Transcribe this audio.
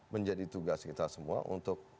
menjadi tugas kita semua untuk